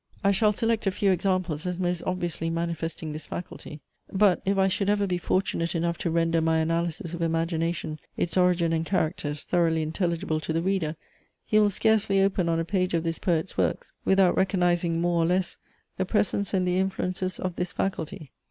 I shall select a few examples as most obviously manifesting this faculty; but if I should ever be fortunate enough to render my analysis of Imagination, its origin and characters, thoroughly intelligible to the reader, he will scarcely open on a page of this poet's works without recognising, more or less, the presence and the influences of this faculty.